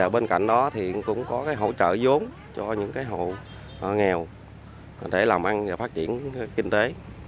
bên cạnh đó thì cũng có hỗ trợ giống cho những hộ nghèo để làm ăn và phát triển kinh tế